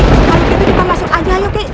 kalau gitu kita masuk aja aki